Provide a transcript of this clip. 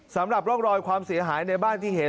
สำหรับร่องรอยความเสียหายในบ้านที่เห็น